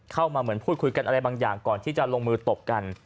เหมือนพูดคุยกันอะไรบางอย่างก่อนที่จะลงมือตบกัน